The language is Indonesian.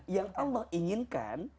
yang allah inginkan